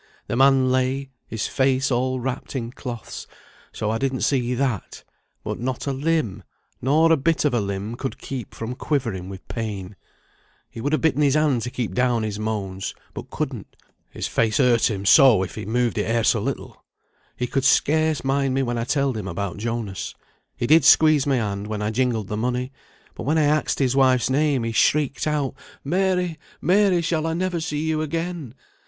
The man lay, his face all wrapped in cloths, so I didn't see that; but not a limb, nor a bit of a limb, could keep from quivering with pain. He would ha' bitten his hand to keep down his moans, but couldn't, his face hurt him so if he moved it e'er so little. He could scarce mind me when I telled him about Jonas; he did squeeze my hand when I jingled the money, but when I axed his wife's name he shrieked out, 'Mary, Mary, shall I never see you again?